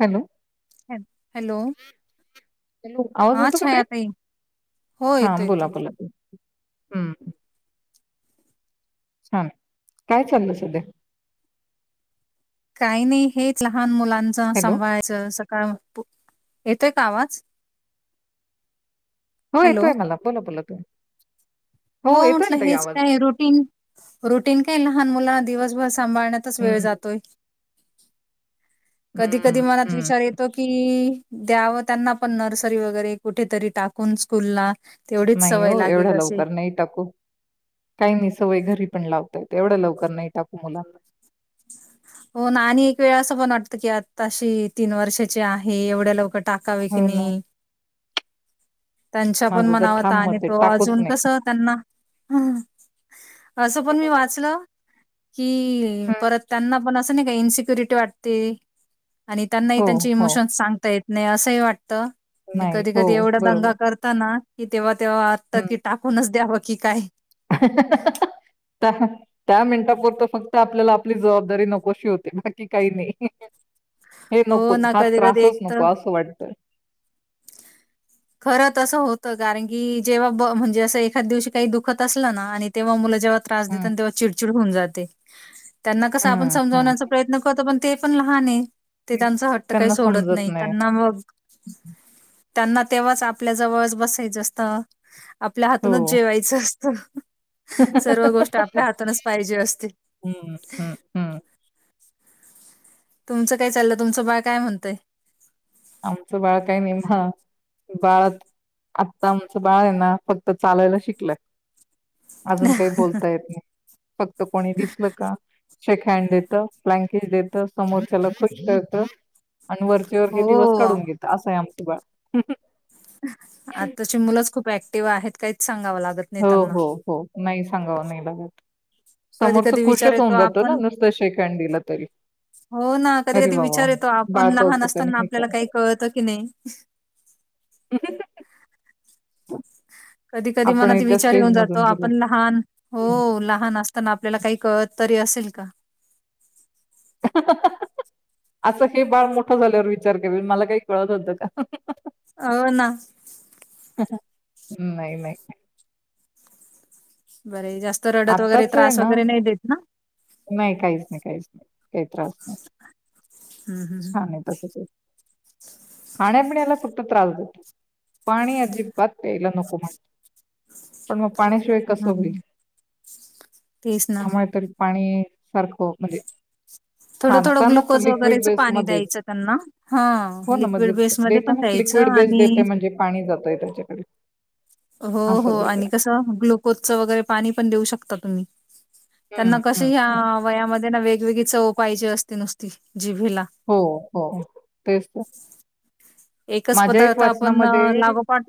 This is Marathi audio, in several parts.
हॅलो. हॅलो हॅलो आवाज हा येतो का छाया ताई हो हा येतो बोला येतो बोला तुम्ही. हम्म छान काय चाललं सध्या काही नाही हेच लहान मुलां त्यां हॅलो सांभायचं सकाळ येतोय का आवाज हो हॅलो येतोय मला बोल बोलत त हो म्हटलं हेच काय रुटीन रुटीन काय लहान मुला दिवस ब सांभाळण्यातच वेळ हम्म जातोय कधी हम्म कधी मनात हम्म विचार येतो की द्यावं त्यांना पण नर्सरी वगैरे कुठेतरी टाकून स्कूलला तेवढीच नाही सवय हो एवढ्या लागेल असशी लवकर नाही काही नाही सवय घरी पण ला एवढं लवकर नाही टाकू मुलांना हो ना आणि एक वेळ असं पण वाटतं की आता अशी तीन वर्षाची आहे एवढ्या लवक टकाा हो बिकणे ना त्यांच्या पण माझं तर मनावत ठाम आणि मत आहे तो टाकूच अजून नाही. कस त्यांना असं पण मी वाचलं की हम्म. परत त्यांना पण असं नाही का इ क्युरिटी वाटते आणि त्यांनाही हो त्यांचे हो इमोशन्स सांगता येत नाही असंही वाट आणि नाही कधी हो कधी एवढा दंगा बरोबर करताना इथे वा तेव्हा आत्ता हम्म की टाकूनच द्या बघ कि काय त्या त्या मिनिटापरत फक्त आपल्याला आपली जबाबदारी नकोशी होते बाकी काही नाही हे हो नकोच ना हा कधी कधी एक त्रासच तर नको असं वाटतय खरत असं होत कारण की जेव्हा म्हणजे असं एखाद दिवशी काही दुखत असलं ना आणि तेव्हा मुलं जेव्हा त्रास द हं, त्यां चिचे होन जाते त्यांना कसं आपण हं, हं. समजावण्याचा प्रयत्न करतो पण ते पण लहान आहे. ते त्यांचा हट्ट काही त्यांना सोडत समजत नाही, त्यांना मग त्यांना तेव्हाच आपल्या जवळ बसायचं असतय. आपल्या हातूनच जेवायचं ह हम्म पाहिजे असते. हा हा. तुमचं काय चाललं तुमचं बाळ काय म्हणतय? आमचं बाळ काही नाही हा बाळात आता आमचं बाळ आहे ना फक्त चालायला शिकलंय. अजून काही बोलता येत नाही फक्त कोणी दिसलं का शेक हँड देतो, फ्लँकीस देतो समोरच्याला [unintelligible] करतो आणि वरचे वर किती वस हो काढून घेतं असं आहे आम गवा आताची मुलंच खूप ऍक्टिव्ह आहेत काहीच सांगावं लागत नाही हो त्यांना. हो हो नाय सांगाव नाही ला होत. कधी-कधी विचार येतो आपण शेक हँड दिलं तरी. हो ना अरे कधी-कधी वा वा! विचार येतो आपण बाळ लहान कौतुकाने असताना हे आपल्याला काही करतंय. कळतं की नाही. कधी कधी आपणही मनात त्या विचार येऊन स्टेज मधून जातो गेलो. आपण लहान हो हं. लहान अस त्यांना आपल्याला काही कळत तरी असेल का? असं हे बाळ मोठं झाल्यावर विचार करेल मला काही कळत होतं का? हो ना. नाही नाही. बरे जास्त रडत वगैरे आत्ताच आहे त्रास ना वगैरे नाही देत ना. नाही काहीच नाही, काहीच नाही. काही त्रास नाही हम्म हम्म. छान आहे तस ते. खाण्यापिण्याला फक्त त्रास देतो पाणी अजिबात प्यायला नको म्हणत पण मग पाण्याशिवाय कसं होईल? हम्म तेच ना त्यामुळे तरी पाणी सारखं म्हणजे थोडं थोडं खातानाच ग्लुकोज लिक्विड वगैरेच पाणी बेसमध्येच द्यायचं त्यांना हा हो ना म्हणजे लिक्विड बेसमध्ये पण देतानाच द्यायचं लिक्विड बेस देते आणि म्हणजे पाणी जातंय त्याच्याकडे हो असं हो देते. आणि कसं ग्लुकोजचं वगैरे पाणी पण देऊ शकता तुम्ही. त्यांना हं, कस हं, ह हं. वयामध्ये ना वेग वेगवेगळी चव पाहिजे असतेच हो हो तेच तर, एकच माझ्या एक पदार्थ आपण अ, वाचनामध्ये लागोपाठ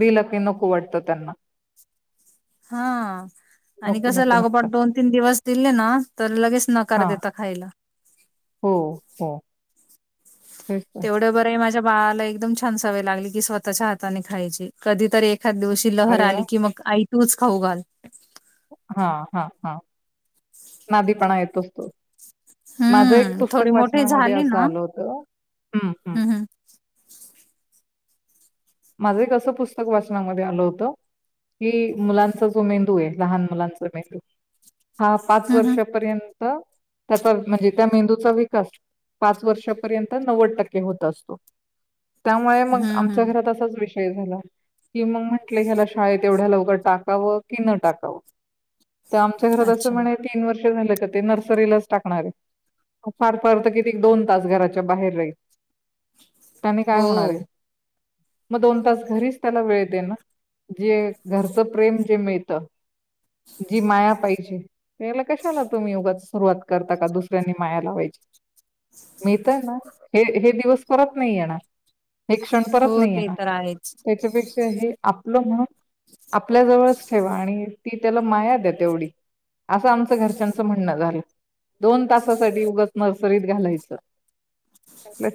बलकी नको वाटतात. त्यांना, हा आणि नको कसं नको लागोपाठ म्हणतात दोन तीन दिवस दिले ना तर लगेच नकार हा देता खायला. हो हो तेच तर तेवढं बरं आहे माझ्या वाळाला एकदम छान सवय लागली. की स्वतःच्या हाताने खायची कधीतरी, एखाद दिवशी लहर अरे वा आली की मग आई. तूच खाऊ घाल. हा हा हा नादीपणा येतो. माझं एक हं, पुस्तक थोडी मोठी वाचनामध्ये झाली असं ना आल होतं ह ह. हं, हं. माझं एक असं पुस्तक वाचनामध्ये आलं होतं! की मुलांचा जो मेंदू आहे, लहान मुलांचा मेंदू हा पाच हं, हं. वर्षापर्यंत त्याचा म्हणजे त्या मेंदूचा विकास पाच वर्षापर्यंत नव्वद टक्के होत असतो. त्यामुळे मग हं, आमच्या हं. घरात अस विषय झाला कि म म्हट ह्याला शाळेत एवढ्या लवकर टाकावं की न टाकावं. आमच्या घरात असं अच्छा. म्हणे तीन वर्ष [unintelligible] त्यांनी हो, काय होणार आहे. मग दोन तास घरीच त्याला वेळ दे ना! जे घरच प्रेम जे मिळत जी माया पाहिजे त्याला कशालाव तुम्ही योगाच सुरुवात करता, का दुसऱ्यांनी माया लावायची मिळत ना! हे हे दिवस परत नाही येणार. हे कषण तरच हो नाही ते येणार. तर आहेच. त्याच्यापेक्षा हे आपलं म्हणून आपल्या जवळच ठेवा आणि ती त्याला माया द्या तेवढी असं आमचं घरच्यांचं म्हणणं झालं दोन तासासाठी उगच नर्सरीत घालायचं.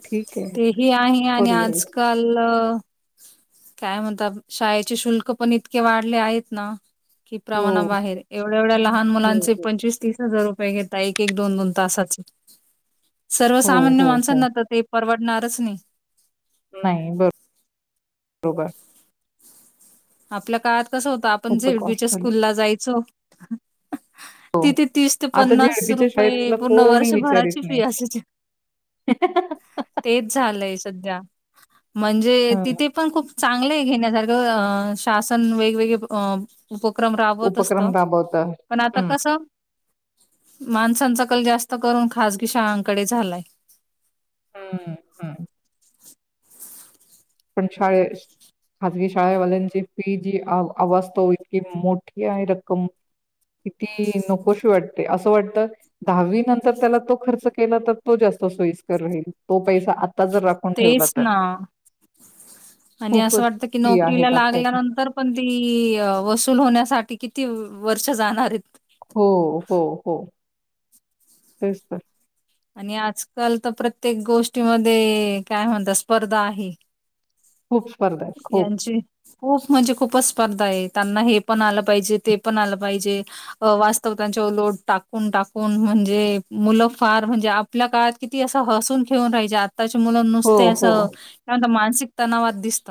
ठीक आहे तेही आहे आणि करूया विचार. आजकाल. काय म्हणतात शाळेचे शुल्क पण इतके वाढले आहेत ना. कि प्रवाना हो बाहेर एवढ्या एवढ्या लहान हो मुलांचे हो पंचवीस तीस हजार रुपये घे एक एक दोन दोन तासाच. हो सर्वसामान्य हो हो माणसांना आ ते परव होणारच नाही. नाही बरं बरोबर. आपल्या काळात. तस होतता, आपण खूपच कॉस्ट झेडपीच्या झाली स्कूल ला जायचो. ह. हो तिथे तीस ते आता पन्नास झेडपीच्या रुपये शाळेतलं पूर्ण कोणी विचारित वर्षभराची फी नाही असायची तेच झालंय सध्या. म्हणजे हं, तिथे पण खूप. चांगलंय घेण्यासारखं. शासन वेगवेगळे अ. उपक्रम राबवत असत उपक्रम राबवतात. पण आता हं, कसं. माणसांचा कल जास्त करून खाजगी शाळांकडे झालाय. हम्म हम्. पण शाळे खजगी शाळेवाल्यांची फी जी आवाज तो इतकी मोठी आहे रक्कम किती नकोशी वाटते असं वाटतं दहावी नंतर त्याला तो खर्च केला तर तो जास्त सोयीस्कर राहील तो पैसा. आता जर राखून ठेवला तेच तर. ना आणि असं खूपच वाटत की फी नोकरीला आहेत आत्ताची. लागल्यानंतर पण ती वसूल होण्यासाठी. किती वर्ष जाणार आहेत. हो हो हो तेच तर. आणि आजकाल तर प्रत्येक गोष्टीमध्ये काय म्हणत स्पर्धा आहे. खूप स्पर्धा आहेत खूप. यांची खूप म्हणजे खूपच. स्पर्धा आहे. त्यांना हे पण आलं पाहिजे ते पण आलं पाहिजे वास्तव त्यांच्या लो टाकून टाकून म्हणजे मुलं फार. म्हे आपल्या काळात किती असं हसून घेऊन राहाय. त्याची मुलं हो, नुसते हो. असं मा. शिकताना वाद दिसत.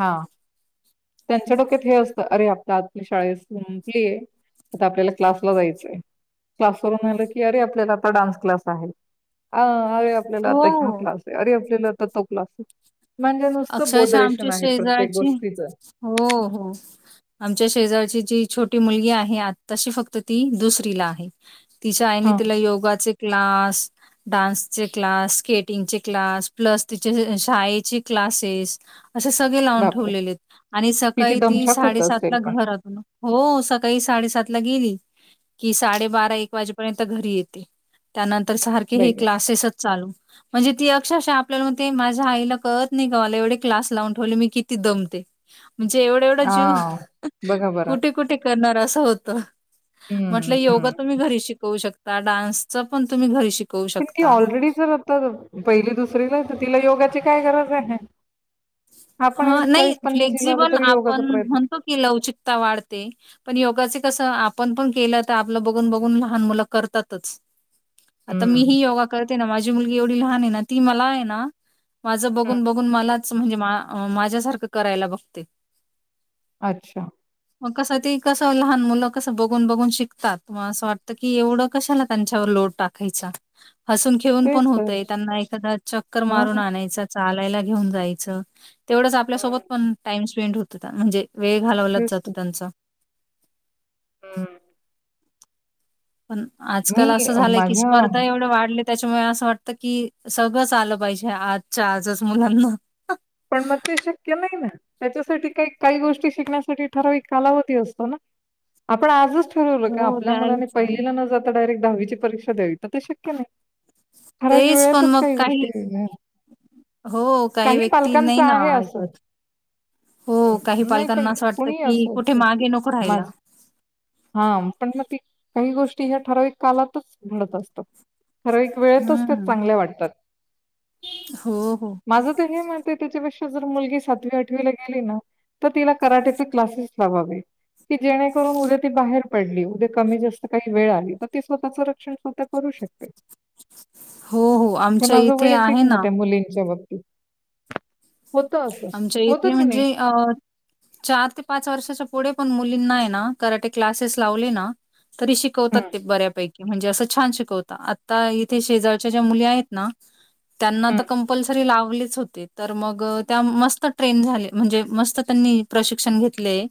हा त्यांच्या डोक्यात हे असत अरे आप आपली शाळ संपलीय आता आपल्याला क्लासला जायचंय क्लासवरून आलं की अरे आपल्याला आता डान्स क्लास आहे. अरे आपल्याला आता ह्या हो क्लास आहे. अरे आपल्याला. तो क्लास. म्हणजे नुसतं अक्षरशः बोदरेश आमच्या शेजारची हो हो आमच्या शेजारची जी छोटी मुलगी आहे आत्ताशी फक्त ती दुसरीला आहे तिच्या आईने हां, तिला योगाचे क्लास डान्सचे क्लास स्केटिंगचे क्लास प्लस तिचे शाळेची क्लासेस असे सगळे लावून बापरे! ठेवलेले आहेत आणि तिची सकाळी ती दमछाक होत साडेसात असेल ला पण घरातून हो सकाळी साडेसात ला गेली की साडेबारा एक वाजेपर्यंत घरी येते त्यानंतर तर सारखे हे वेगळं. क्लासेसच चालू म्हणजे ती अक्षरशः आपल्याला म्हणते माझ्या आईला कळत नाही का मला एवढे क्लास लावून ठेवले मी किती दमते म्हणजे एवढा एवढा जीव हां, बघा बरं. कुठे कुठे करणार अस होत हं, म्हटलं योगा हं. तुम्ही घरी शिकवू शक ता. डान्सचपण तुम्ही घरी शिक ती की ऑलरेडी जर पहिली दुसरीला आहे, तर तिला योगाची काय गरज आहे? ह आपण एवढे नाही, आलो फ्लेक्सिबल तरी योगाचा आपण प्रयत्न म्हणतो की लवचिकता वाढते. पण योगाचे तसं आपण पण केलं, तर आपलं बघून बघून लहान मुलं करतातच. आता हं, मीही योगा करते ना, माझी मुल गी एवढी लहान आहे ना, ती मला आहे ना माझं हं. बघून बघून मलाच म्हणजे मा माझ्यासारखं करायला बघते. अच्छा. मग कसं ती कसं लहान मुलं कस बघून बघून शिकतात. असं वाटतं की, एवढं कशाला त्यांच्यावर लोड टाकायचा. हसून खेळून पण तेच तर. होतंय. त्यांना एखादा चक्कर हां, मारून हां. आणायचा. चालायला घेऊन जाय चं. तेवढच आपल्यासोबत पण टाईम स्पेंड हो त होता, म्हणजे वेळ घालवलाच जातो त्यांचा. हम्म. पण आजकाल असं झालंय, की माझ्या स्पर्धा एवढ्या वाढलेत त्याच्यामुळे असं वाटतं, की सगळंच आलं पाहिजे आजच्या आजच मुलांना. पण मग ते शक्य नाही ना. त्याच्यासाठी काही काही गोष्टी शिकण्यासाठी ठराविक कालावधी असतो ना. आपण आजच ठरवलं का हो, ते आपल्या मुलाने आहेच ना. पहिलीला न जाता, डायरेक्ट दहावीची परीक्षा द्यावी, तर ते शक्य नाही. ठराविक तेचपण वेळेतच मग काही गोष्टी हो काही व्यक् पालकांचं आहे असं. हो, हं. काही नाही पण पालकांना असं वाटतं, कुणीही की असो, कुठे [unintelligible] मागे नको राहायला. माज. हा म्हटलं काही गोष्टी हे ठर ते कालातच घडत असतो. खरं एक वेळेतच ते हं. चांगले वाटतात. हो, हो. माझं तर हे म च्यापेक्षा जर मुलगी सातवी आठवीला गेली ना, तर तिला कराट्याचे क्लासेस लावावे. की जेणेकरून उद्या ती बाहेर पडली, उद्या कमी जास्त काही वेळ आली, तर ती स्वतःच रक्षण स्वतः करू शकते. हो हो, हे आमच्या माझं इथे वैयक्तिक आहे मत ना. मुलींच्या बाबतीत होतं असं आमच्या इथे होतं की नाही? म्हणजे अ चार ते पाच वर्षाच्या पुढेपण मुलींना आहे ना, कराटे क्लासेस लावले ना तरी शिकवतात हं, ते बऱ्यापैकी म्हणजे असं छान शिकवता -आता इथे शेजारच्या ज्या मुली आहेत ना त्यांना हं, तर कंपल्सरी लाव आपलेच होते तर मग.. त्या मस्त ट्रेन झाले म्हणजे मस्त त्यांनी प्रशिक्षण घेतलेय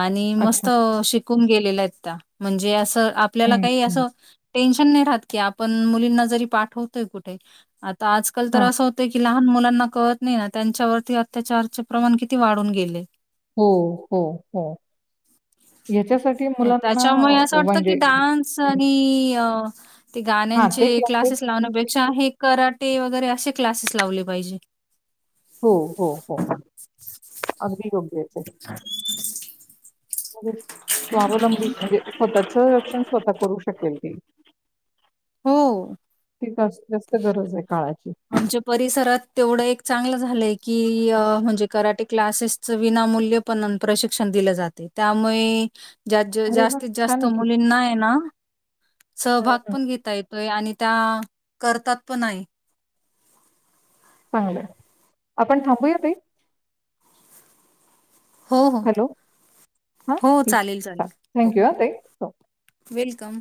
आणि अच्छा. मस्त शिकून गेले [unintelligible] म्हणजे अस आपल्याला हं, काही हं. असं टेन्शन नाही राहत की पण मुलींना जरी पाठवतोय कुठे तर आजकाल तर हां. असं होत की लहान मुलांना कळत नाही त्यांच्यावरती अत्याचारचे प्रमाण किती वाढून गेले हो- हो -हो याच्यासाठी हो मुलांना त्याच्यामुळे असं वाटतं की म्हणजे डान्स हं, आणि अ ह [inaudible] ते हां, गाण्यांचे ते क्लासेस लावण्यापेक्षा हे करा तेे वगैरे असे क्लासेस लावले पाहिजे. हो, हो, हो. अगदी योग्य आहे ते. [inaudible] [unintelligible] स्वावलंबी म्हणजे स्वतःच रक्षण स्वतः करू शकत ओके हो [unintelligible] त जास्त गरज आहे काळाची आमच्या परिसरात तेवढं एक चांगलं झालंय की अ म्हणजे कराटे क्लासेसच विनामूल्य पण प्रशिक्षण दिलं जाते त्यामुळे जाज अरे वा जास्तीत छान जास्त आहे की. मुलींना ये ना हं सहभाग हं. पण घेता येतोय आणि त्या करतात पण नायी चांगलय, आपण थांबूया ताई? हो, हो, हॅलो, हा हो, ठीक चालेल, ये, चालेल. हो, थँक यू ह ताई, हो वेलकम.